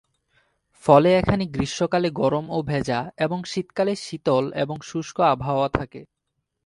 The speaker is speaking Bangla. ফলে এখানে গ্রীষ্মকালে গরম ও ভেজা এবং শীতকালে শীতল এবং শুষ্ক আবহাওয়া থাকে।